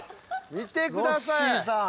見てください。